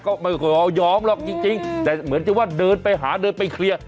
ก็ไม่ค่อยยอมหรอกจริงแต่เหมือนจะว่าเดินไปหาเดินไปเคลียร์